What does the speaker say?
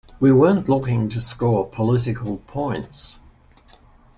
We weren't looking to score political points.